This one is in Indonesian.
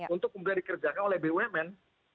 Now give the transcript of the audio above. untuk kemudian dikerjakan oleh bumn